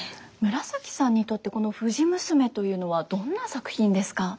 紫さんにとってこの「藤娘」というのはどんな作品ですか？